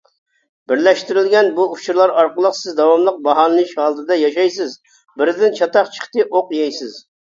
بىرلەشتۈرۈلگەن بۇ ئۇچۇرلار ئارقىلىق سىز داۋاملىق باھالىنىش ھالىتىدە ياشايسىز، بىرىدىن چاتاق چىقتى ئوق يەيسىز.